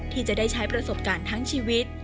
ที่จะได้ใช้ประสบการณ์ทั้งชีวิต